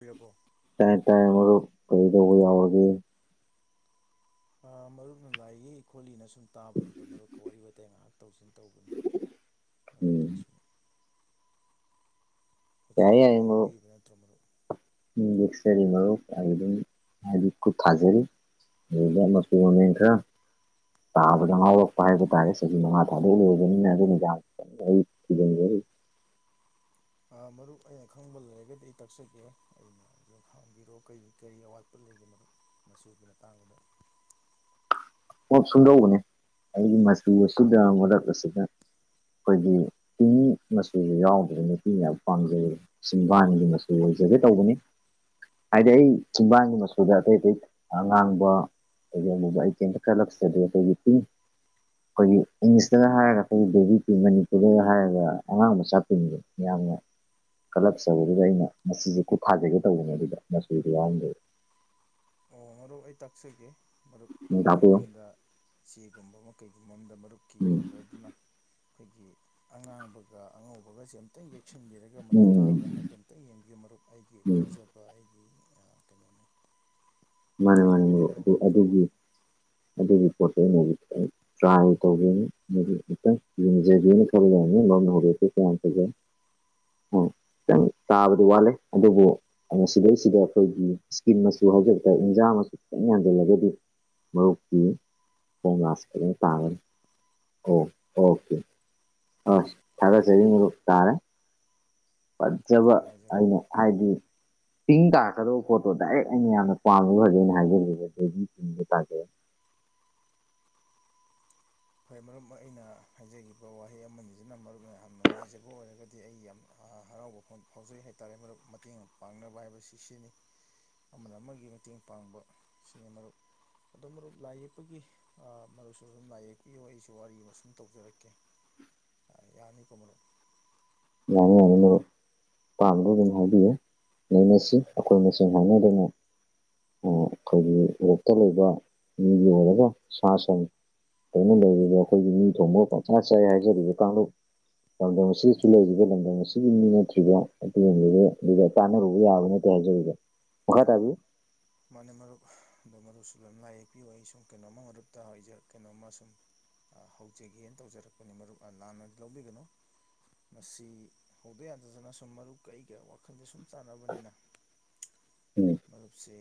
ꯕꯤꯔꯕꯣ ꯇꯥꯏ ꯇꯥꯏ ꯃꯔꯨꯞ ꯀꯔꯤꯗꯧꯕ ꯌꯥꯎꯔꯒꯦ ꯃꯔꯨꯞꯅ ꯂꯥꯏꯌꯦ ꯈꯣꯠꯂꯤꯅ ꯁꯨꯝ ꯇꯥꯕꯗꯨꯗ ꯃꯔꯨꯞꯀ ꯋꯥꯔꯤ ꯋꯥꯇꯥꯏ ꯉꯥꯏꯍꯥꯛꯇ ꯇꯧꯁꯤꯟ ꯇꯧꯕꯅꯤ ꯃꯗ ꯎꯝ ꯁꯨꯝ ꯌꯥꯏ ꯀꯣꯆꯤꯁꯨ ꯃꯥꯏ ꯌꯦꯛꯄꯤꯔꯤꯕ ꯅꯠꯇ꯭ꯔꯣ ꯃꯔꯗꯨ ꯗꯁꯔꯤꯝꯥꯏꯈꯨ ꯊꯖꯔꯤ ꯍ ꯌꯥꯝ ꯃꯁꯨꯕꯅꯤꯡ ꯈ ꯇꯥꯕꯗ ꯄꯥꯏꯕ ꯇꯔꯦꯊ [unintelligible] ꯃꯔꯨꯞ ꯑꯩꯅ ꯈꯪꯕ ꯂꯩꯔꯒꯗꯤ ꯑꯩ ꯇꯥꯛꯆꯒꯦ ꯑꯩꯅ ꯍꯥꯡꯕꯤꯔꯑꯣ ꯀꯔꯤ ꯀꯔꯤ ꯑꯋꯥꯠꯄ ꯂꯩ ꯑꯩꯒꯤ ꯃꯔꯨꯞ ꯃꯆꯨꯒꯤ ꯃꯇꯥꯡꯗꯨꯗ ꯄꯣꯞ ꯁꯨꯡꯗꯧꯕꯅꯦ ꯑꯩꯒꯤ ꯃꯆꯨ ꯑꯁꯤꯗ ꯃꯔꯛ ꯑꯁꯤꯗ ꯑꯩꯈꯣꯏꯒꯤ ꯇꯤꯅꯤ ꯃꯆꯨꯗ ꯌꯥꯎꯗ꯭ꯔ ꯅꯨꯄꯤ ꯃꯌꯥꯝ ꯄꯥꯝꯖꯩ ꯁꯤꯁꯤꯡꯕꯥꯟꯒꯤ ꯃꯆꯨ ꯑꯣꯏ ꯐꯖꯗꯦ ꯇꯧꯕꯅꯤ ꯍꯥꯏꯗꯤ ꯑꯩ ꯆꯤꯡꯕꯥꯟꯒꯤ ꯃꯆꯨꯗ ꯑꯇꯩ ꯑꯇꯩ ꯑꯉꯥꯡꯕ ꯀꯩꯗꯧꯕ ꯑꯩ ꯀꯦꯟ ꯀꯂꯛꯁꯦ ꯂꯩꯦꯇꯒꯤꯇ ꯑꯩꯈꯣꯏꯒꯤ ꯏꯪꯂꯤꯁꯇꯒ ꯍꯥꯏꯔꯒ ꯑꯩꯈꯣꯏꯒꯤ ꯦꯚ ꯄꯤ ꯃꯅꯤꯄꯨꯔꯗꯒ ꯍꯥꯏꯔꯒ ꯑꯉꯥꯡ ꯃꯆꯥ ꯄꯤꯉ [unintelligible] ꯀꯂꯞꯆꯧꯕꯗꯨꯗ ꯑꯩꯅ ꯃꯁꯤꯁꯦ ꯀꯣꯠꯊꯥꯖꯒꯦ ꯇꯧꯕꯅꯦ ꯑꯗꯨꯗ ꯃꯆꯗꯤ ꯌꯥꯎꯝꯗꯦ ꯎꯝ ꯑꯩ ꯇꯥꯛꯆꯒꯦ ꯎꯝ ꯃꯔꯨꯞꯀꯤ ꯇꯥꯛꯄꯤꯌꯣ ꯅꯥꯀꯟꯗ ꯆꯦꯒꯨꯝꯕ ꯑꯃ ꯀꯩꯒꯨꯝꯕ ꯑꯃꯝꯗ ꯃꯔꯨꯞꯀꯤ ꯎꯝ ꯀꯂꯔꯗꯨꯅ ꯑꯩꯈꯣꯏꯒꯤ ꯑꯉꯥꯡꯕꯒ ꯑꯉꯧꯕꯒꯁꯦ ꯑꯝꯇ ꯆꯛꯁꯤꯟꯕꯤꯔꯒ ꯃꯗꯨ ꯇꯥꯕ꯭ꯔꯥ ꯎꯝ ꯍꯥꯏꯕꯗꯣ ꯑꯃꯨꯛꯇꯪ ꯌꯦꯡꯕꯤꯌꯨ ꯃꯔꯨꯞ ꯑꯩꯒꯤ ꯎꯝ ꯈꯪꯖꯕ ꯑꯩꯒꯤ ꯀꯩꯅꯣꯅꯤ ꯃꯥꯅꯤ ꯃꯥꯅꯦ ꯇꯥꯔꯒꯗꯤ ꯃꯔꯨꯞ ꯑꯗꯨ ꯍꯥꯏꯕꯤꯔꯛꯑꯣ ꯑꯗꯨꯒꯤ ꯃꯔꯨꯞ ꯑꯗꯨꯒꯤ ꯄꯣꯠꯇꯣ ꯃꯣꯏꯒꯤ ꯇ꯭ꯔꯥꯏ ꯇꯧꯕꯒꯅꯤ ꯇꯪ ꯌꯦꯡꯖꯒꯦꯅ ꯈꯜ ꯌꯥꯅꯤ ꯂꯣ ꯅ ꯍꯧꯔꯦꯁꯨ ꯀ ꯌꯥꯝ ꯐꯖꯩ ꯍ ꯈꯤꯇꯪ ꯇꯥꯕꯗꯤ ꯋꯥꯠꯂꯦ ꯑꯗꯨꯕꯨ ꯃꯁꯤ ꯁꯤꯗꯩꯁꯤꯗ ꯑꯩꯈꯣꯏꯒꯤ ꯏꯁꯀꯤꯝ ꯃꯁꯨ ꯍꯥꯏꯖꯒꯦ ꯑ ꯏꯟꯖꯥꯡ ꯑꯃꯁꯁꯨ ꯈꯤꯇ ꯌꯥꯟꯁꯤꯜꯂꯒꯗꯤ ꯃꯔꯨꯞꯇꯤ ꯍ ꯃꯥꯁꯤꯅ ꯇꯥꯉꯔ ꯑꯣ ꯑꯣꯀꯦ ꯑ ꯊꯔꯁꯗꯤ ꯇꯥꯔꯦ ꯌꯥꯝ ꯄꯝꯖꯕ ꯅꯨꯡꯉꯥꯏꯖꯔꯦ ꯑꯩꯅ ꯍꯥꯏꯗꯤ [unintelligible] ꯇꯤꯡ ꯇꯥꯔꯛꯀꯗꯕ ꯄꯣꯠꯇꯣ ꯗꯥꯏꯔꯦꯛ ꯑꯩꯅ ꯌꯥꯝꯅ ꯄꯥꯝꯖ ꯐꯖꯩꯅ ꯍꯥꯏꯖꯕ [unintelligible] ꯐꯣꯏ ꯃꯔꯨꯞ ꯑꯩꯅ ꯍꯥꯏꯖꯒꯤꯕ ꯋꯥꯍꯩ ꯑꯃꯅꯤꯗꯨꯅ ꯃꯔꯨꯞ ꯌꯥꯝ ꯅꯨꯡꯉꯥꯏꯖꯕ ꯑꯣꯏꯔꯒꯗꯤ ꯑꯩ ꯌꯥꯝ ꯍꯔꯥꯎꯕ ꯐꯥꯎꯖꯩ ꯍꯥꯏꯇꯥꯔꯦꯨꯞ ꯃꯇꯦꯡ ꯄꯥꯡꯅꯕ ꯍꯥꯏꯕꯁꯤ ꯁꯤꯅꯤ ꯑꯃꯅ ꯑꯃꯒꯤ ꯃꯇꯦꯡ ꯄꯥꯡꯕ ꯁꯤꯅꯤ ꯃꯔꯨꯞ ꯑꯗꯨꯝ ꯃꯔ ꯂꯥꯏ ꯌꯦꯛꯄꯒꯤ ꯃꯔꯨꯞꯁꯨ ꯑꯗꯨꯝ ꯂꯥꯏ ꯌꯦꯛꯄ ꯄꯤꯌꯣ ꯑꯩꯁꯨ ꯋꯥꯔꯤ ꯑꯃ ꯁꯨꯝ ꯇꯧꯖꯔꯛꯀꯦ ꯌꯥꯅꯤꯀꯣ ꯃꯔꯨꯞ ꯌꯥꯅꯤ ꯄꯥꯗꯨꯒꯅꯤ ꯍꯥꯏꯕꯤꯌꯨ ꯅꯩꯅꯁꯤ ꯑꯩꯈꯣꯏ ꯃꯁꯦꯟ ꯍꯥꯏꯅꯗꯅ ꯑꯩꯈꯣꯏꯒꯤ ꯔꯣꯛꯇ ꯂꯩꯕ ꯃꯤꯒꯤ ꯑꯣꯏꯔꯒ ꯁꯥ ꯁꯟ ꯑꯩꯅ ꯂꯩꯔꯤꯕ ꯑꯩꯈꯣꯏꯒꯤ ꯃꯤ ꯊꯣꯡꯕ ꯄꯪꯁꯥ ꯆꯥꯏ ꯍꯥꯏꯖꯔꯤꯕ ꯀꯥꯡꯂꯨꯞ ꯂꯝꯗꯝꯁꯤ ꯁꯤ ꯂꯩꯔꯤꯕ ꯂꯝꯗꯝ ꯑꯁꯤꯒꯤ ꯃꯤ ꯅꯠꯇ꯭ꯔꯤꯕ ꯑꯗꯨꯒꯕꯤꯕ ꯑꯗꯨꯒ ꯀꯥꯟꯅꯔꯨꯕ ꯌꯥꯕ ꯅꯠꯇꯦ ꯍꯥꯏꯖꯕꯗ ꯋꯥꯈꯥꯏ ꯇꯕꯤ ꯃꯥꯅꯦ ꯃꯔꯨꯞ ꯑꯗꯣ ꯃꯔꯨꯞꯁꯨ ꯑꯗꯨꯝ ꯂꯥꯏ ꯌꯦꯛꯄꯤꯌꯨ ꯑꯩ ꯁꯨꯝ ꯀꯩꯅꯣꯃ ꯃꯔꯨꯞꯇ ꯀꯩꯅꯣꯝꯃ ꯁꯨꯝ ꯍꯧꯖꯒꯦꯅ ꯇꯧꯖꯔꯛꯄꯅꯤ ꯃꯔꯨꯞ ꯂꯥꯟꯅꯗꯤ ꯂꯧꯕꯤꯒꯅꯨ ꯃꯁꯤ ꯍꯧꯗ ꯌꯥꯗꯗꯅ ꯁꯨꯝ ꯃꯔꯨꯞ ꯀꯩꯒ ꯋꯥꯈꯜꯁꯦ ꯁꯨꯝ ꯆꯥꯟꯅꯕꯅꯤꯅ [inaudible] ꯎꯝ ꯃꯔꯨꯞꯁꯤ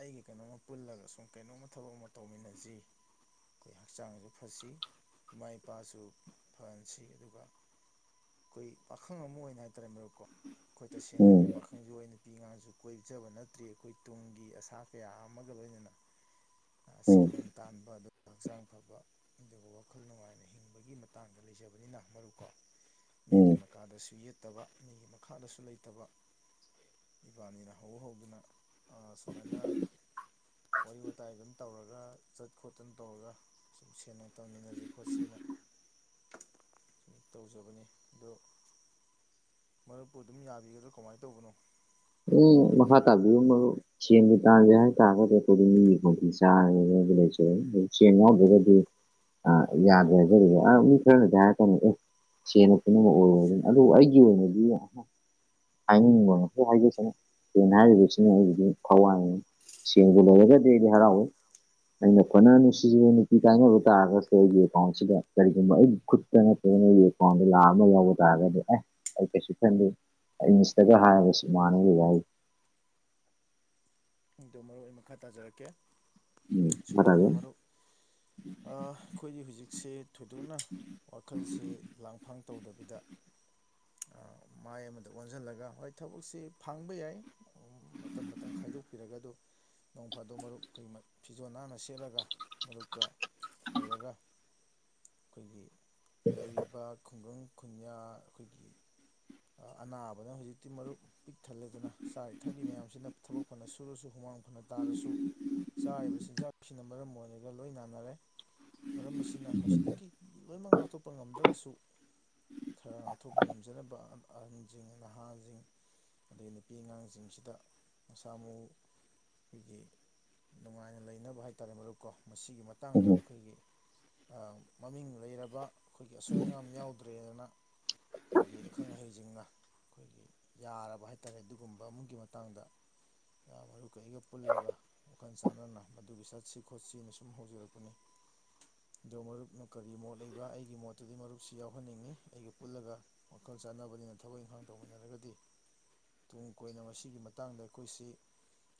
ꯑꯩꯒꯤ ꯀꯩꯅꯣꯝꯃ ꯄꯨꯜꯂꯒ ꯁꯨꯝ ꯀꯩꯅꯣꯝꯃ ꯊꯕꯛ ꯑꯃ ꯇꯧꯃꯤꯟꯅꯁꯤ ꯑꯩꯈꯣꯏ ꯍꯛꯆꯥꯡꯁꯨ ꯐꯁꯤ ꯏꯃꯥ ꯏꯄꯥꯁꯨ ꯐꯍꯟꯁꯤ ꯑꯗꯨꯒ ꯑꯩꯈꯣꯏ ꯄꯥꯈꯪ ꯑꯃ ꯑꯣꯏꯅ ꯍꯥꯏꯇꯥꯔꯦ ꯃꯔꯨꯞꯀꯣ ꯑꯩꯈꯣꯏ ꯇꯁꯦꯡꯅ ꯎꯝ ꯑꯩꯈꯣꯏ ꯄꯥꯈꯪꯁꯨ ꯑꯣꯏꯅ ꯅꯨꯄꯤ ꯉꯥꯡꯁꯨ ꯀꯣꯏ ꯄꯤꯖꯕ ꯅꯠꯇ꯭ꯦ ꯑꯩꯈꯣꯏ ꯇꯨꯡꯒꯤ ꯑꯁꯥ ꯀꯌꯥ ꯑꯃꯒ ꯂꯣꯏꯅꯅ ꯁꯦ ꯎꯝ ꯅꯨꯡ ꯇꯥꯟꯕ ꯑꯗꯨ ꯍꯛꯆꯥꯡ ꯐꯕ ꯑꯗꯨꯒ ꯋꯥꯈꯜ ꯅꯨꯡꯉꯥꯏꯅ ꯍꯤꯡꯕꯒꯤ ꯃꯇꯥꯡꯗ ꯂꯩꯖꯕꯅꯤꯅ ꯃꯔꯨꯀꯣ ꯎꯝ ꯃꯤꯒꯤ ꯃꯈꯥꯗꯁꯨ ꯌꯦꯠ ꯂꯩꯇꯕ ꯃꯤꯒꯤ ꯃꯈꯥꯗꯁꯨ ꯂꯩꯇꯕ ꯏꯕꯥꯅꯤꯅ ꯍꯧꯧꯕ ꯍꯧꯗꯨꯅ ꯁꯨꯃꯥꯏꯅ ꯋꯥꯔꯤ ꯋꯥꯇꯥꯏ ꯑꯗꯨꯝ ꯇꯧꯔꯒ ꯆꯠ ꯈꯣꯠꯇꯅ ꯇꯧꯔꯒ ꯁꯨꯝ ꯁꯦꯟ ꯅꯨꯡ ꯇꯥꯃꯤꯟꯅꯁꯤ ꯈꯣꯠꯁꯤꯅ ꯁꯨꯝ ꯇꯧꯖꯕꯅꯤ ꯑꯣ ꯃꯔꯨꯞꯄꯨ ꯑꯗꯨꯝ ꯌꯥꯕꯤꯒꯗ꯭ꯔꯥ ꯀꯃꯥꯏꯅ ꯇꯧꯕꯅꯣ ꯑꯦ ꯃꯈꯥ ꯇꯥꯕꯤꯌꯨ ꯃꯔ ꯁꯦꯟꯗꯤ ꯇꯥꯜꯒꯦ ꯍꯥꯏꯇꯥꯔꯒꯗꯤ ꯑꯩꯈꯣꯏꯗꯤ ꯃꯤꯒꯤ ꯈꯣꯡꯇꯤ ꯆꯥꯔꯦ ꯦꯗꯤ ꯑ ꯌꯥꯗ꯭ꯔꯦ ꯑ ꯃꯤ ꯈꯔꯗꯤ ꯍꯥꯏꯔ ꯁꯦꯟꯅ ꯄꯨꯝꯅꯃꯛ ꯑꯣꯏꯔꯗꯅ ꯑꯗꯨꯕꯨ ꯑꯩꯒꯤ ꯑꯣꯏꯅꯗꯤ ꯍꯥꯏꯅꯤꯡꯕ ꯉꯩ ꯍꯥꯏꯒꯁ ꯦꯟ ꯍꯥꯏꯔꯤꯕꯁꯤꯅ ꯑꯩ ꯈꯋꯥꯡ ꯆꯦꯟꯕꯨ ꯂꯩꯔꯒꯗꯤ ꯑꯩꯗꯤ ꯍꯔꯥꯎꯋꯏ ꯑꯩꯅ ꯈꯣꯠꯅ ꯅꯨꯡꯁꯤꯖꯕ ꯅꯨꯄꯤ ꯀꯥꯏꯅꯕ ꯇꯥꯔꯒꯁꯨ ꯑꯩꯒꯤ ꯄꯥꯎꯟꯁꯤꯗ ꯀꯔꯤꯒꯨꯝꯕ ꯑꯩ ꯈꯨꯠꯇ ꯅꯠꯇ ꯀꯣꯟꯗ ꯂꯥꯔ ꯑꯃ ꯌꯥꯎꯕ ꯇꯥꯔꯒꯗꯤ ꯑꯦ ꯀꯩꯁꯨ ꯊꯟ ꯑꯩ ꯃꯤꯁꯇꯒ ꯍꯥꯏꯕꯁꯨ ꯃꯥꯅ ꯌꯥꯏ ꯑꯗꯨꯣ ꯃꯔꯨ ꯑꯣꯏꯅ ꯃꯈꯥ ꯇꯥꯖꯔꯛꯀꯦ ꯎꯝ ꯐꯔꯒꯦ ꯑꯩꯈꯣꯏꯒꯤ ꯍꯧꯖꯤꯛꯁꯦ ꯊꯣꯏꯗꯣꯛꯅ ꯋꯥꯈꯜꯁꯦ ꯂꯥꯡꯐꯥꯡ ꯇꯧꯗꯕꯤꯗ ꯃꯥꯏ ꯑꯃꯗ ꯑꯣꯟꯁꯤꯜꯂꯒ ꯍꯣꯏ ꯊꯕꯛꯁꯤ ꯐꯪꯕ ꯌꯥꯏ ꯃꯇꯝ ꯃꯇꯝꯥꯡ ꯈꯥꯏꯗꯣꯛꯄꯤ ꯄꯤꯔꯒ ꯑꯗꯨ ꯅꯣꯡ ꯐꯥꯗꯣ ꯃꯔꯨꯞ ꯑꯩꯈꯣꯏꯒꯤ ꯐꯤꯖꯣꯜ ꯅꯥꯟꯅ ꯁꯦꯠꯂꯒ ꯃꯔꯨꯞꯀ ꯍꯧꯔꯒ ꯑꯩꯈꯣꯏꯒꯤ ꯂꯩꯔꯤꯕ ꯈꯨꯡꯒꯪ ꯈꯨꯟꯌꯥ ꯑꯩꯈꯣꯏꯒꯤ ꯑꯅꯥꯕꯅ ꯍꯧꯖꯤꯛꯇꯤ ꯃꯔꯨꯞ ꯄꯤꯛ ꯊꯜꯂꯦꯗꯅ ꯆꯥꯔꯤ ꯊꯛꯂꯤ ꯃꯌꯥꯝꯁꯤꯅ ꯊꯕꯛ ꯐꯅ ꯁꯨꯔꯁꯨ ꯍꯨꯃꯥꯡ ꯐꯅ ꯇꯥꯔꯁꯨ ꯆꯥꯔꯤꯕ ꯆꯤꯟꯖꯥꯛꯁꯤꯅ ꯃꯔꯝ ꯑꯣꯏꯔꯒ ꯂꯣꯏ ꯅꯥꯟꯅꯔꯦ ꯃꯔꯝ ꯑꯁꯤꯅ ꯃꯁꯤꯗꯒꯤ ꯂꯣꯏꯅꯃꯛ ꯉꯥꯛꯊꯣꯛꯄ ꯉꯝꯗ꯭ꯔꯒꯁꯨ ꯈꯔ ꯉꯥꯛꯊꯣꯛꯄ ꯉꯝꯖꯅꯕ ꯑꯍꯟꯁꯤꯡ ꯅꯍꯥꯁꯤꯡ ꯑꯩ ꯅꯨꯄꯤ ꯑꯉꯥꯡꯁꯤꯡꯁꯤꯗ ꯃꯁꯥ ꯃꯎ ꯑꯩꯈꯣꯏꯒꯤ ꯅꯨꯡꯉꯥꯏꯅ ꯂꯩꯅꯕ ꯍꯥꯏꯇꯥꯔꯦ ꯃꯔꯨꯞꯀꯣ ꯃꯁꯤꯒꯤ ꯃꯇꯥꯡꯗ ꯎꯝ ꯑꯩꯈꯣꯏꯒꯤ ꯃꯃꯤꯡ ꯂꯩꯔꯕ ꯑꯩꯈꯣꯏꯒꯤ ꯑꯁꯣꯏ ꯑꯉꯥꯝ ꯌꯥꯎꯗ꯭ꯔꯦꯗꯅ ꯑꯩꯈꯣꯏꯒꯤ ꯑꯈꯪ ꯑꯍꯩꯁꯤꯡꯅ ꯑꯩꯈꯣꯏꯒꯤ ꯌꯥꯔꯕ ꯍꯥꯏꯇꯥꯔꯦ ꯑꯗꯨꯒꯨꯝꯕ ꯑꯃꯒꯤ ꯃꯇꯥꯡꯗ ꯌꯥꯝ ꯃꯔꯨ ꯀꯩꯒ ꯄꯨꯜꯂꯒ ꯋꯥꯈꯜ ꯆꯥꯟꯅꯅ ꯃꯗꯨꯒꯤ ꯆꯠꯁꯤ ꯈꯣꯠꯁꯤꯅ ꯁꯨꯝ ꯍꯧꯖꯔꯛꯄꯅꯤ ꯑꯗꯣ ꯃꯔꯨꯞꯅ ꯀꯔꯤ ꯃꯣꯠ ꯂꯩꯕ ꯑꯩꯒꯤ ꯃꯣꯠꯇꯗꯤ ꯃꯔꯨꯞꯁꯤ ꯌꯥꯎꯍꯟꯅꯤꯡꯉꯤ ꯑꯩꯒ ꯄꯨꯜꯂꯒ ꯋꯥꯈꯜ ꯆꯥꯟꯅꯕꯅꯤꯅ ꯊꯕꯛ ꯏꯪꯈꯥꯡ ꯇꯧꯃꯤꯟꯅꯔꯒꯗꯤ ꯇꯨꯡ ꯀꯣꯏꯅ ꯃꯁꯤꯒꯤ ꯃꯇꯥꯡꯗ ꯑꯩꯈꯣꯏꯁꯤ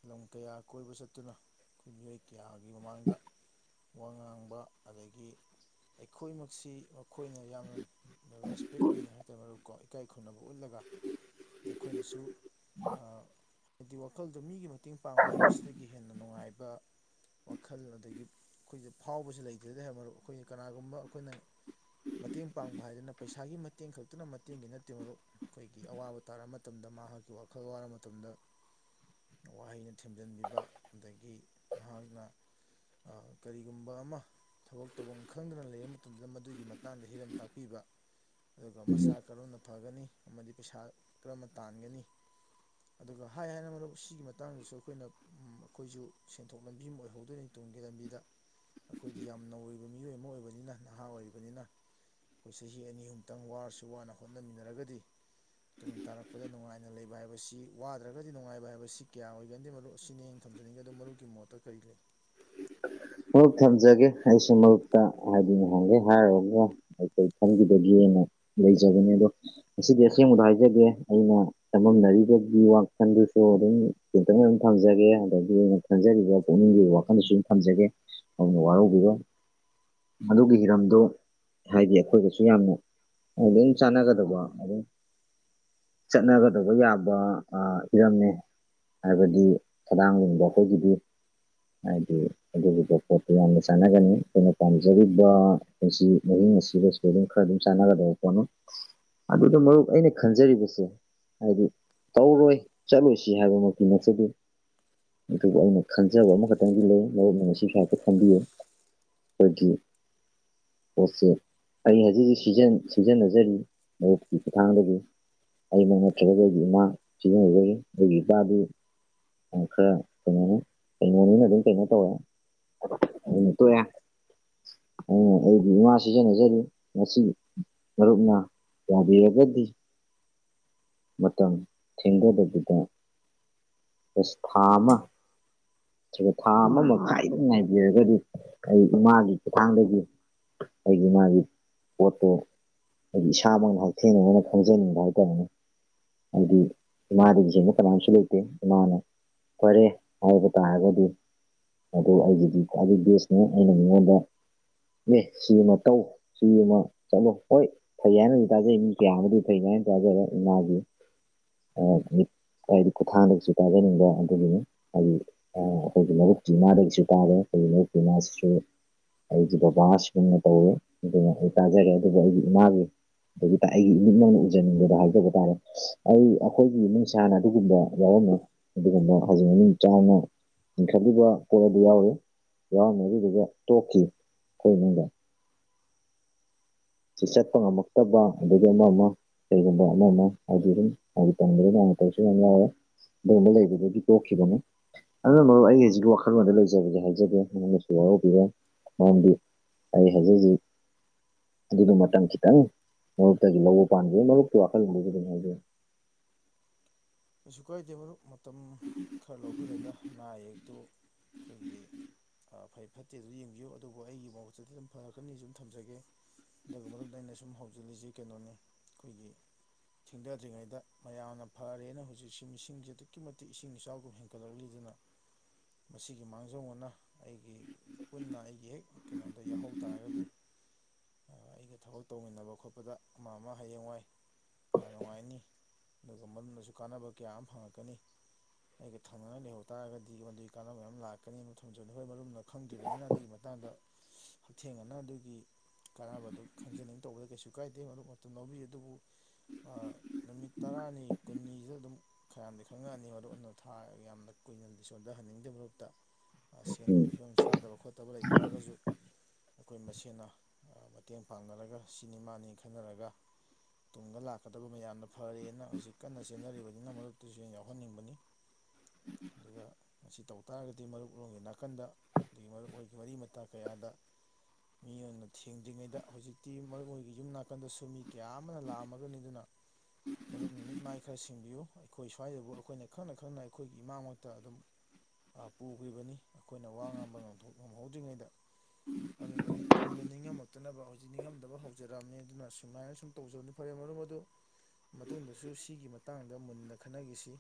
ꯂꯝ ꯀꯌꯥ ꯀꯣꯏꯕ ꯆꯠꯇꯨꯅ ꯑꯩꯈꯣꯏ ꯃꯤꯑꯣꯏ ꯀꯌꯥꯒꯤ ꯃꯃꯥꯡꯗ ꯋꯥ ꯉꯥꯡꯕ ꯑꯗꯒꯤ ꯑꯩꯈꯣꯏꯃꯛꯁꯤ ꯑꯩꯈꯣꯏꯅ ꯌꯥꯝꯅ ꯔꯦꯁꯄꯦꯛ ꯂꯩꯅꯩ ꯍꯥꯏꯦ ꯃꯔꯨꯞꯀꯣ ꯏꯀꯥꯏ ꯈꯨꯝꯅꯕ ꯎꯠꯂꯒ ꯑꯩꯈꯣꯏꯅꯁꯨ ꯍꯥꯏꯗꯤ ꯋꯥꯈꯜꯗꯨ ꯃꯤꯒꯤ ꯃꯇꯦꯡ ꯄꯥꯡꯕ ꯍꯥꯏꯕꯁꯤꯗꯒꯤ ꯍꯦꯟꯅ ꯅꯨꯡꯉꯥꯏꯕ ꯋꯥꯈꯜ ꯑꯗꯒꯤ ꯑꯩꯈꯣꯏꯁꯦ ꯐꯥꯎꯕꯁꯦ ꯂꯩꯇ꯭ꯔꯗꯤ ꯍꯥꯏꯕ ꯑꯩꯈꯣꯏ ꯀꯅꯥꯒꯨꯝꯕ ꯑꯩꯈꯣꯏꯅ ꯃꯇꯦꯡ ꯄꯥꯡꯕ ꯍꯥꯏꯗꯅ ꯄꯩꯁꯥꯒꯤ ꯃꯇꯦꯡ ꯈꯛꯇꯅ ꯃꯇꯦꯡꯒꯤ ꯅꯠꯇꯦ ꯃꯔꯨꯞ ꯑꯩꯈꯣꯏꯒꯤ ꯑꯋꯥꯕ ꯇꯥꯔ ꯃꯇꯝꯗ ꯃꯍꯥꯛꯀꯤ ꯋꯥꯈꯜ ꯋꯥꯔ ꯃꯇꯝꯗ ꯋꯥꯍꯩꯅ ꯊꯦꯝꯖꯤꯟꯕꯤꯕ ꯑꯗꯒꯤ ꯃꯍꯥꯛꯅ ꯑ ꯀꯔꯤꯒꯨꯝꯕ ꯑꯃ ꯊꯕꯛ ꯇꯧꯐꯝ ꯈꯪꯗꯅ ꯂꯩꯔꯕ ꯃꯇꯝꯗꯨꯗ ꯃꯗꯨꯒꯤ ꯃꯇꯥꯡꯗ ꯍꯤꯔꯝ ꯇꯥꯛꯄꯤꯕ ꯑꯗꯨꯒ ꯎꯝ ꯃꯁꯥ ꯀꯔꯝꯅ ꯐꯒꯅꯤ ꯑꯃꯗꯤ ꯄꯩꯁꯥ ꯀꯔꯝꯅ ꯇꯥꯟꯒꯅꯤ ꯑꯗꯨꯒ ꯍꯥꯏ ꯍꯥꯏꯅ ꯃꯔꯨꯞ ꯁꯤꯒꯤ ꯃꯇꯥꯡꯗꯁꯨ ꯑꯩꯈꯣꯏꯅ ꯑꯩꯈꯣꯏꯁꯨ ꯁꯦꯟꯊꯣꯛ ꯂꯝꯕꯤ ꯑꯃ ꯑꯣꯏꯍꯧꯗꯣꯏꯅꯤ ꯇꯨꯡꯒꯤ ꯂꯝꯕꯤꯗ ꯑꯩꯈꯣꯏꯗꯤ ꯌꯥꯝ ꯅꯧꯔꯤꯕ ꯃꯤꯑꯣꯏ ꯑꯃ ꯑꯣꯏꯕꯅꯤꯅ ꯅꯍꯥ ꯑꯣꯏꯔꯤꯕꯅꯤꯅ ꯑꯩꯈꯣꯏ ꯆꯍꯤ ꯑꯅꯤ ꯑꯍꯨꯝꯇꯪ ꯋꯥꯔꯁꯨ ꯋꯥꯅ ꯍꯣꯠꯅꯃꯤꯟꯅꯔꯒꯗꯤ ꯇꯨꯡ ꯇꯥꯔꯛꯄꯗ ꯅꯨꯡꯉꯥꯏꯅ ꯂꯩꯕ ꯍꯥꯏꯕꯁꯤ ꯋꯥ ꯅꯠꯇ꯭ꯔꯒꯗꯤ ꯅꯨꯡꯉꯥꯏꯕ ꯍꯥꯏꯕ ꯁꯤ ꯀꯌꯥ ꯑꯣꯏꯒꯟꯗꯦ ꯃꯔꯨꯞ ꯑꯁꯤꯅꯦ ꯑꯩꯅꯥ ꯊꯝꯖꯅꯤꯡꯉꯦ ꯑꯗꯨ ꯃꯔꯨꯞꯒꯤ ꯃꯣꯠꯇ ꯀꯔꯤ ꯂꯩ ꯒ ꯃꯔꯨꯞ ꯊꯝꯖꯒꯦ ꯑꯩꯁꯨ ꯃꯔꯨꯞꯇ ꯍꯥꯏꯗꯤ ꯉꯍꯥꯟꯗꯩꯩ ꯍꯥꯏꯔꯨꯔꯒ ꯀꯩ ꯈꯟꯈꯤꯗꯒꯦꯅ ꯂꯩꯖꯕꯅꯦ ꯑꯗꯣ ꯉꯁꯤꯗꯤ ꯑꯁꯦꯡꯕꯗ ꯍꯥꯏꯖꯒꯦ ꯑꯩꯅ ꯆꯃꯝꯅꯔꯤꯕꯒꯤ ꯋꯥꯈꯜꯗꯨ ꯁꯣ ꯑꯗꯨꯝ ꯇꯦꯟꯇꯅ ꯑꯗꯨꯝ ꯊꯝꯖꯒꯦ ꯑꯗꯒꯤ ꯑꯩꯅ ꯈꯟꯖꯔꯤꯕ ꯄꯨꯛꯅꯤꯡꯒꯤ ꯋꯥꯈꯜꯗꯁꯨ ꯑꯗꯨꯝ ꯊꯝꯖꯒꯦ ꯃꯔꯨꯞꯅ ꯋꯥꯔꯧꯕꯤꯔꯣꯏ ꯑꯗꯨꯒꯤ ꯍꯤꯔꯝꯗꯨ ꯍꯥꯏꯗꯤ ꯑꯩꯈꯣꯏꯒꯥꯁꯨ ꯌꯥꯝꯅ ꯑꯗꯨꯝ ꯆꯅꯥꯒꯗꯕ ꯑꯗꯨꯝ ꯆꯠꯅꯒꯗꯧꯕ ꯌꯥꯕ ꯍꯤꯔꯝꯅꯦ ꯍꯥꯏꯕꯗꯤ ꯈꯗꯥꯡ ꯂꯤꯡꯕꯥ ꯑꯩꯈꯣꯏꯒꯤꯗꯤ ꯍꯥꯏꯗꯤ ꯑꯗꯨꯒꯤ ꯄꯣꯠꯇꯨ ꯌꯥꯝꯅ ꯆꯥꯟꯅꯒꯅꯤ ꯑꯩꯈꯣꯏꯅ ꯄꯥꯝꯖꯔꯤꯕ ꯄꯨꯟꯁꯤ ꯃꯍꯤꯡ ꯑꯁꯤꯗꯁꯨ ꯑꯗꯨꯝ ꯈꯔ ꯑꯗꯨꯝ ꯆꯥꯟꯅ ꯀ ꯑꯗꯨꯗꯣ ꯃꯔꯨꯞ ꯑꯩꯅ ꯈꯟꯖꯔꯤꯕꯁꯦ ꯍꯥꯏꯗꯤ ꯇꯧꯔꯣꯏ ꯆꯠꯂꯣꯏꯁꯤ ꯍꯥꯏꯕꯃꯛꯇꯤ ꯅꯠꯆꯥꯗꯦ ꯑꯗꯨꯕꯨ ꯑꯩꯅ ꯈꯟꯖꯕ ꯑꯃꯈꯛꯇꯪꯗꯤ ꯂꯩ ꯃꯔꯨꯞꯅꯥ ꯉꯁꯤ ꯐꯝꯕꯤꯌꯨꯑꯩꯈꯣꯏꯒꯤ ꯑꯣꯆꯦ ꯑꯩ ꯍꯧꯖꯤꯛ ꯍꯧꯖꯤꯛ ꯁꯤꯖꯤꯟꯅꯖꯔꯤ ꯃꯔꯨꯞꯀꯤ ꯈꯨꯊꯥꯡꯗꯒꯤ ꯑꯩꯅ ꯅꯠꯇ꯭ꯔꯒ ꯑꯩꯒꯤ ꯏꯃꯥ ꯁꯤꯖꯤꯅꯥ ꯖꯔꯤ ꯑꯩꯒꯤ ꯏꯄꯥꯗꯨ ꯈ꯭ꯔ ꯀ ꯀꯩꯅꯣ ꯍꯥꯏ ꯀꯩꯅꯩꯅꯣ ꯇꯧꯕꯦ ꯑꯗꯨꯅ ꯇꯣꯛꯑ ꯑꯩꯅ ꯑꯩꯒꯤ ꯏꯃꯥ ꯁꯤꯖꯤꯟꯅꯖꯔꯤ ꯉꯁꯤ ꯃꯔꯨꯞꯅ ꯌꯥꯕꯤꯔꯒꯗꯤ ꯃꯇꯝ ꯊꯦꯡꯗꯗꯕꯤꯗ ꯊꯥ ꯑꯃ ꯑꯗꯨꯒ ꯊꯥ ꯑꯃ ꯃꯈꯥꯏꯗ ꯉꯥꯏꯕꯤꯔꯒꯗꯤ ꯑꯩ ꯏꯃꯥꯒꯤ ꯈꯨꯊꯥꯡꯗꯒꯤ ꯑꯩꯒꯤ ꯃꯥꯒꯤ ꯄꯣꯠꯇꯣ ꯍꯥꯏꯗꯤ ꯏꯁꯥꯃꯛ ꯍꯛꯊꯦꯡꯅꯅ ꯈꯪꯖꯅꯤꯡꯕ ꯍꯥꯏꯇꯥꯔꯦꯅꯦ ꯍꯥꯢꯗꯤ ꯏꯃꯥꯗꯒꯤ ꯍꯦꯟꯕ ꯀꯅꯕꯨꯁꯨ ꯂꯩꯇꯦ ꯏꯃꯥ ꯅꯥ ꯐꯔꯦ ꯍꯥꯏꯔꯒꯥ ꯇꯥꯔꯒꯗꯤ ꯑꯗꯨ ꯑꯩꯒꯤꯗꯤ ꯈ꯭ꯋꯥꯏꯗꯒꯤ ꯕꯦꯁꯅꯤ ꯑꯩꯅ ꯃꯤꯉꯣꯟꯗ ꯑꯦ ꯁꯤ ꯑꯃ ꯇꯧ ꯁꯤ ꯑꯃ ꯆꯠꯂꯣ ꯍꯣꯏ ꯐꯩ ꯍꯥꯏꯅ ꯊꯥꯖꯩ ꯃꯤ ꯀꯌꯥꯃꯗꯤ ꯐꯅ ꯏꯃꯥ ꯒꯤ ꯃꯤ ꯍꯥꯏꯗꯤ ꯈꯨꯊꯥꯡꯗꯒꯤꯁꯨ ꯇꯥꯖꯅꯤꯡꯕ ꯑꯗꯨꯒꯤꯅꯤ ꯍꯥꯏꯗꯤ ꯑꯩꯈꯣꯏꯒꯤ ꯃꯔꯨꯞꯀꯤ ꯏꯃꯥꯗꯒꯤꯁꯨ ꯇꯥꯔꯦ ꯑꯩꯈꯣꯏꯒꯤ ꯃꯔꯨꯞꯀꯤ ꯏꯃꯥꯁꯤꯁꯨ ꯑꯩꯒꯤ ꯕꯕꯥ ꯑꯁꯤꯒꯨꯝꯅ ꯇꯧꯋꯦ ꯑꯗꯨꯅ ꯑꯩ ꯇꯥꯖꯔꯦ ꯑꯗꯨꯕꯨ ꯑꯩꯒꯤ ꯏꯃꯥꯒꯤ ꯑꯗꯒꯤ ꯑꯩꯒꯤ ꯏꯅꯤꯠ ꯃꯛꯅꯥ ꯎꯖꯅꯤꯡꯕꯗ ꯍꯥꯏꯖꯕ ꯇꯥꯔꯦ ꯑꯩ ꯑꯩꯈꯣꯏꯒꯤ ꯏꯃꯨꯡꯁꯥꯅ ꯑꯗꯨꯒꯨꯝꯕ ꯌꯥ ꯑꯗꯨꯒꯨꯝꯕ ꯍꯧꯖꯤꯛ ꯃꯅꯨꯡ ꯆꯥꯎꯅ ꯂꯤꯡꯈꯠꯂꯤꯕ ꯄꯣꯠ ꯑꯗꯨ ꯌꯥꯎꯔꯤ ꯌꯥꯎꯔꯝꯃꯦ ꯑꯗꯨ ꯗꯨꯒꯥ ꯇꯣꯛꯈꯤ ꯑꯩꯈꯣꯏ ꯏꯃꯨꯡꯗ ꯁꯤ ꯆꯠꯄ ꯉꯝꯃꯛꯇꯕ ꯑꯗꯒꯤ ꯑꯃ ꯑꯃ ꯀꯩꯒꯨꯝꯕ ꯑꯃ ꯑꯃ ꯍꯥꯏꯗꯤ ꯑꯗꯨꯝ ꯇꯗꯅ ꯇꯧꯁꯨ ꯌꯥꯝ ꯌꯥꯎꯋꯦ ꯑꯗꯨꯒꯨꯝꯕ ꯂꯩꯕꯗꯨꯗꯤ ꯇꯣꯛꯈꯤꯕ ꯗꯨꯝ ꯑꯗꯨꯅ ꯃꯔ ꯑꯩ ꯍꯧꯖꯤꯛꯀꯤ ꯋꯥꯈꯜꯂꯣꯟꯗ ꯂꯩꯖꯕꯗꯤ ꯍꯥꯏꯖꯗꯦ ꯃꯉꯣꯟꯗꯁꯨ ꯋꯥꯔꯧꯕꯤꯔ ꯃꯝꯗꯤ ꯑꯩ ꯍꯧꯖꯤꯛ ꯍꯧꯖꯤꯛ ꯑꯗꯨꯗ ꯃꯇꯝ ꯈꯤꯇꯪ ꯃꯔꯨꯞꯇꯒꯤ ꯂꯧꯕ ꯄꯥꯟꯖꯦ ꯃꯔꯨꯞꯀꯤ ꯋꯥꯈꯜꯕꯁꯨ ꯑꯗꯨꯝꯖꯩ ꯀꯩꯁꯨ ꯀꯥꯏꯗꯦ ꯃꯔꯨꯞ ꯃꯇꯝ ꯈꯔ ꯂꯧꯕꯤꯔꯒ ꯑꯅꯥ ꯑꯌꯦꯛ ꯇꯣ ꯑꯩꯈꯣꯏꯒꯤ ꯐꯩ ꯐꯠꯇꯦ ꯑꯗꯨ ꯌꯦꯡꯕꯤꯌꯨ ꯑꯗꯨꯕꯨ ꯑꯩꯒꯤ ꯃꯨꯠꯇꯗꯤ ꯑꯗꯨꯝ ꯐꯔꯛꯀꯅꯤ ꯑꯗꯨꯝ ꯊꯝꯖꯒꯦ ꯑꯗꯨꯒ ꯃꯔꯅ ꯑꯩꯅ ꯁꯨꯝ ꯍꯧꯖꯤꯜꯂꯤꯁꯦ ꯀꯩꯅꯣꯅꯤ ꯑꯩꯈꯣꯏꯒꯤ ꯊꯤꯡꯊꯗ꯭ꯔꯤꯉꯩꯗ ꯃꯌꯥꯝꯅ ꯐꯔꯦꯅ ꯍꯧꯖꯤꯛꯁꯤ ꯃꯤꯁꯤꯡꯁꯦ ꯑꯗꯨꯛꯀꯤ ꯃꯇꯤꯛ ꯏꯁꯤꯡ ꯏꯆꯥꯎꯒꯨꯝ ꯍꯦꯟꯒꯠꯂꯛꯂꯤꯗꯅ ꯃꯁꯤꯒꯤ ꯃꯥꯡꯖꯧꯕꯅ ꯑꯩꯒꯤ ꯄꯨꯟꯅ ꯑꯩꯒꯤ ꯍꯦꯛ ꯀꯩꯅꯣꯗ ꯌꯥꯎꯍꯧ ꯇꯥꯔꯒꯗꯤ ꯑꯩꯒ ꯊꯕꯛ ꯇꯧꯃꯤꯟꯅꯕ ꯈꯣꯠꯄꯗ ꯑꯃ ꯑꯃ ꯍꯌꯦꯡ ꯋꯥꯏ ꯅꯨꯡꯉꯥꯏꯅꯤ ꯑꯗꯨꯒ ꯃꯔꯝꯅꯁꯨ ꯀꯥꯟꯅꯕ ꯀꯌꯥ ꯑꯃ ꯐꯪꯉꯛꯀꯅꯤ ꯑꯩꯒ ꯊꯪꯅꯉꯥꯏ ꯂꯩꯍꯧ ꯇꯥꯔꯒꯗꯤ ꯃꯗꯨꯒꯤ ꯀꯥꯟꯅꯕ ꯃ ꯑꯃ ꯂꯥꯛꯀꯅꯤ ꯊꯝꯖꯕꯅꯤ ꯍꯣꯏ ꯃꯔꯝꯅ ꯈꯪꯗ꯭ꯔꯤꯕꯅꯤꯅ ꯑꯗꯨꯒꯤ ꯃꯇꯥꯡ ꯀꯥꯟꯗ ꯍꯛꯊꯦꯡꯅꯅ ꯑꯗꯨꯒꯤ ꯀꯥꯟꯅꯕꯗ ꯈꯪꯖꯅꯤꯡ ꯇꯧꯕꯗ ꯀꯩꯁꯨ ꯀꯥꯏꯗꯦ ꯃꯗꯨ ꯃꯇꯝ ꯂꯧꯕꯤ ꯑꯗꯨꯕꯨ ꯅꯨꯃꯤꯠ ꯇꯔꯥꯅꯤ ꯀꯨꯟꯅꯤ ꯁꯤꯗ ꯑꯗꯨꯝ ꯈꯔꯗꯤ ꯈꯪꯉꯛꯑꯅꯤ ꯃꯔꯨꯞ ꯑꯗꯨ ꯊꯥ ꯌꯥꯝꯅ ꯀꯨꯏꯅ ꯁꯣꯟꯊꯍꯟꯅꯤꯡꯗꯕ ꯃꯍꯨꯨꯞꯠꯇ ꯁꯦꯟ ꯎꯝ ꯅꯨꯡꯒꯤ ꯐꯤꯕꯝ ꯆꯥꯗꯕ ꯈꯣꯠꯇꯕ ꯂꯩ ꯇꯥꯔꯒꯁꯨ ꯑꯩꯈꯣꯏ ꯃꯁꯦꯅ ꯃꯇꯦꯡ ꯄꯥꯡꯅꯔꯒ ꯁꯤꯅꯦꯃꯥꯅꯤ ꯈꯟꯅꯔꯒ ꯇꯨꯡꯗ ꯂꯥꯛꯀꯗꯕ ꯃꯌꯥꯝꯅ ꯐꯔꯦꯅ ꯍꯧꯖꯤꯛ ꯀꯟꯅ ꯆꯦꯟꯅꯔꯤꯕꯅꯤꯅ ꯃꯔꯛꯇꯨꯁꯨ ꯍ ꯌꯥꯎꯍꯟꯅꯤꯡꯕꯅꯤ ꯑꯗꯨꯒ ꯃꯁꯤ ꯇꯧ ꯇꯥꯔꯒꯗꯤ ꯃꯔꯨꯞꯂꯣꯟꯒꯤꯒꯤ ꯅꯥꯀꯟꯗ ꯑꯗꯒꯤ ꯃꯔꯨꯞ ꯑꯣꯏꯒꯤ ꯃꯔꯤ ꯃꯇꯥ ꯀꯌꯥꯗ ꯑ ꯃꯤ ꯑꯣꯏꯅ ꯊꯦꯡꯗ꯭ꯔꯤꯉꯩꯗ ꯍꯧꯖꯤꯛꯇꯤ ꯃꯔꯨ ꯑꯣꯏꯒꯤ ꯌꯨꯝ ꯅꯥꯀꯟꯗꯁꯨ ꯃꯤ ꯀꯌꯥ ꯑꯃꯅ ꯂꯥꯛꯑꯝꯃꯒꯅꯤ ꯑꯗꯨꯅ ꯃꯔ ꯅꯨꯃꯤꯠ ꯃꯥꯥꯏ ꯈꯔ ꯁꯤꯡꯕꯤꯌꯨ ꯑꯩꯈꯣꯏ ꯁ꯭ꯋꯥꯏꯗꯕꯨ ꯑꯩꯈꯣꯏꯅ ꯈꯪꯅ ꯈꯪꯅ ꯑꯩꯈꯣꯏꯒꯤ ꯏꯃꯥꯃꯛꯇ ꯑꯗꯨꯝ ꯄꯨꯈ꯭ꯔꯤꯕꯅꯤ ꯑꯩꯈꯣꯏꯅ ꯋꯥ ꯉꯥꯡꯝꯕ ꯉꯝꯍꯧꯗ꯭ꯔꯤꯉꯩꯗ ꯑꯗꯨꯅ ꯇꯨꯡꯗ ꯅꯤꯡꯉꯝꯃꯛꯇꯅꯕ ꯍꯧꯖꯤꯛ ꯅꯤꯡꯉꯝꯗꯕ ꯍꯧꯖꯔꯛꯑꯃꯦ ꯑꯗꯨꯅ ꯁꯨꯃꯥꯏꯅ ꯁꯨꯝ ꯇꯧꯖꯕꯅꯤ ꯐꯔꯦ ꯃꯔꯝ ꯑꯗꯨ ꯃꯇꯨꯡꯗꯁꯨ ꯁꯤꯒꯤ ꯃꯇꯥꯡꯗ ꯃꯨꯟꯅ ꯈꯟꯅꯈꯤꯁꯤ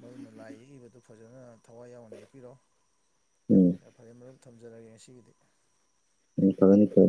ꯃꯗꯨꯅ ꯂꯥꯏ ꯌꯦꯛꯏꯕꯗꯨ ꯐꯖꯅ ꯊꯋꯥꯏ ꯌꯥꯎꯅ ꯌꯦꯛꯄꯤꯔꯛꯣ ꯌꯥ ꯐꯔꯦ ꯃꯔꯨꯞ ꯊꯝꯖꯔꯒꯦ ꯉꯁꯤꯒꯤꯗꯤ ꯎ ꯐꯅꯤ ꯀꯦ